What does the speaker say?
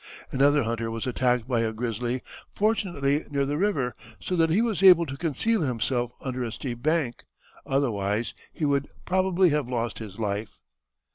Another hunter was attacked by a grizzly, fortunately near the river, so that he was able to conceal himself under a steep bank; otherwise he would probably have lost his life.